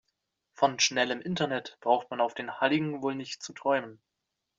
Von schnellem Internet braucht man auf den Halligen wohl nicht zu träumen.